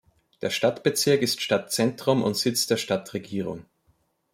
Der Stadtbezirk ist Stadtzentrum und Sitz der Stadtregierung.